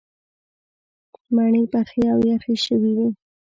مڼې پخې او یخې شوې وې.